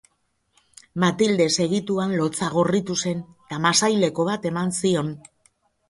Mathilde segituan lotsagorritu zen, eta masaileko bat eman zion.